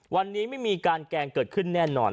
วันนี้ไม่มีการแกล้งเกิดขึ้นแน่นอน